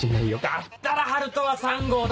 だったら春斗は３号だわ。